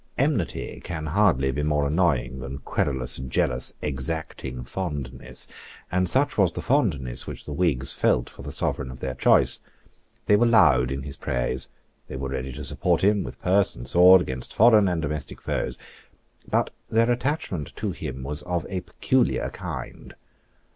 Enmity can hardly be more annoying than querulous, jealous, exacting fondness; and such was the fondness which the Whigs felt for the Sovereign of their choice. They were loud in his praise. They were ready to support him with purse and sword against foreign and domestic foes. But their attachment to him was of a peculiar kind.